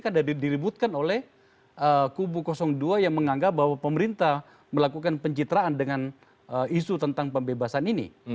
karena diributkan oleh kubu dua yang menganggap bahwa pemerintah melakukan pencitraan dengan isu tentang pembebasan ini